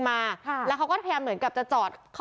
ไปฟังเขาคุยกันก่อนค่ะ